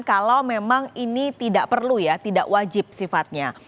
kalau memang ini tidak perlu ya tidak wajib sifatnya